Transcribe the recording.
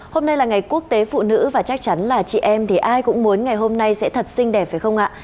hôm nay là ngày quốc tế phụ nữ và chắc chắn là chị em thì ai cũng muốn ngày hôm nay sẽ thật xinh đẹp phải không ạ